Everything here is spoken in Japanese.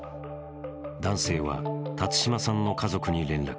男性は辰島さんの家族に連絡。